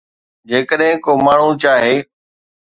جيڪڏهن ڪو ماڻهو چاهي